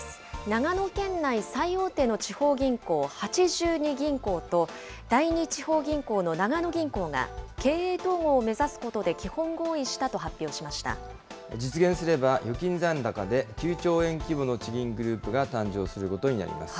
長野県内最大手の地方銀行、八十二銀行と第二地方銀行の長野銀行が、経営統合を目指すことで実現すれば、預金残高で９兆円規模の地銀グループが誕生することになります。